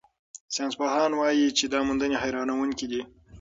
ساینسپوهان وايي چې دا موندنې حیرانوونکې دي.